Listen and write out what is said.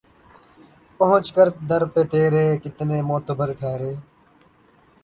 پہنچ کے در پہ ترے کتنے معتبر ٹھہرے